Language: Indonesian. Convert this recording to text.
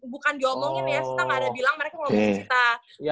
bukan diomongin ya kita nggak ada bilang mereka mau masuk kita